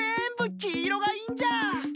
きいろがいいんじゃー。